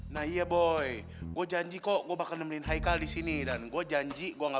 naier boy gue janji kok om mencion hinaikal disini dan gua janji gua nggak